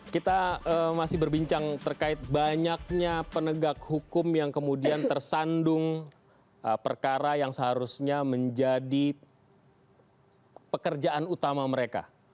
kita masih berbincang terkait banyaknya penegak hukum yang kemudian tersandung perkara yang seharusnya menjadi pekerjaan utama mereka